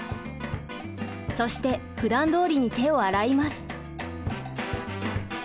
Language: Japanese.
そしてふだんどおりに手を洗います。